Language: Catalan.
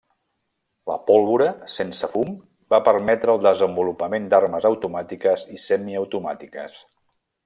La pólvora sense fum va permetre el desenvolupament d'armes automàtiques i semiautomàtiques.